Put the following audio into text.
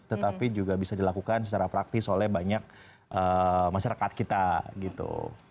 tetapi juga bisa dilakukan secara praktis oleh banyak masyarakat kita gitu